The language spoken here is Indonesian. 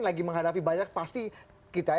lagi menghadapi banyak pasti kita